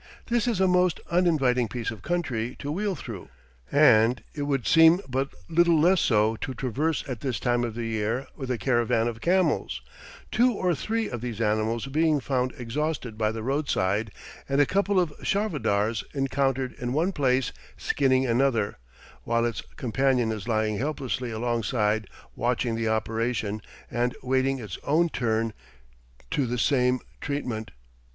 This is a most uninviting piece of country to wheel through, and it would seem but little less so to traverse at this time of the year with a caravan of camels, two or three of these animals being found exhausted by the roadside, and a couple of charvadars encountered in one place skinning another, while its companion is lying helplessly alongside watching the operation and waiting its own turn to the same treatment.